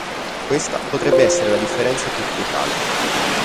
Questa potrebbe essere la differenza più cruciale.